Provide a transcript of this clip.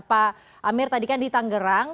pak amir tadi kan di tangerang